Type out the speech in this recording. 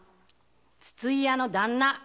筒井屋の旦那